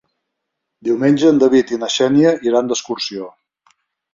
Diumenge en David i na Xènia iran d'excursió.